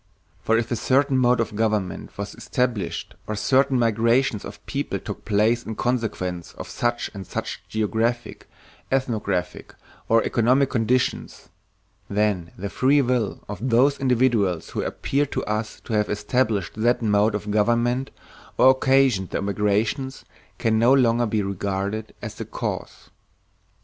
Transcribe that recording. For if a certain mode of government was established or certain migrations of peoples took place in consequence of such and such geographic, ethnographic, or economic conditions, then the free will of those individuals who appear to us to have established that mode of government or occasioned the migrations can no longer be regarded as the cause.